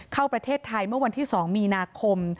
เข้าประเทศไทยเมื่อวันที่๒มีนาคม